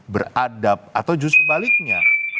beradab atau justru baliknya